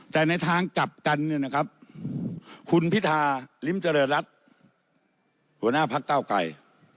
แต่ในทางกลับกันเนี่ยนะครับคุณพิธาลิ้มเจริญรัฐหัวหน้าพักเก้าไกร